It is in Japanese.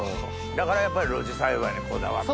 だからやっぱり露地栽培にこだわって。